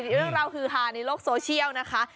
เรื่องราวฮือฮาในโลกโซเชียลนะคะ